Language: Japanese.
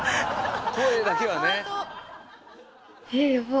声だけはね。